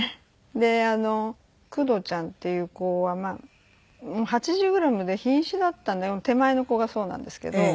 で工藤ちゃんっていう子は８０グラムで瀕死だったんで手前の子がそうなんですけど。